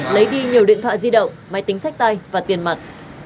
lấy đi nhiều điện thoại di động máy tính sách tay và tiền mặt